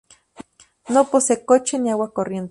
No posee coche ni agua corriente.